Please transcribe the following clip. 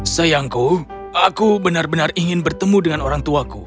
sayangku aku benar benar ingin bertemu dengan orangtuaku